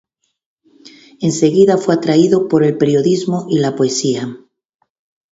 Enseguida fue atraído por el periodismo y la poesía.